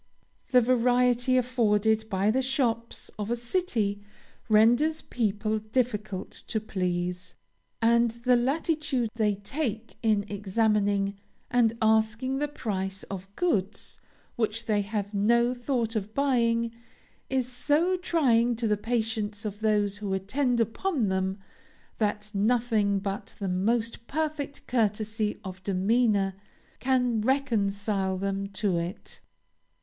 The variety afforded by the shops of a city renders people difficult to please; and the latitude they take in examining and asking the price of goods, which they have no thought of buying, is so trying to the patience of those who attend upon them, that nothing but the most perfect courtesy of demeanor can reconcile them to it.